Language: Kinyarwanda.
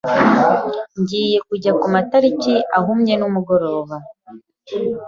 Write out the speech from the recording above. Ngiye kujya kumatariki ahumye nimugoroba.